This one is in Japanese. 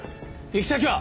行き先は？